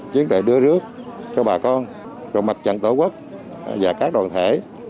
chiến đấu đưa rước cho bà con mặt trận tổ quốc và các đoàn thể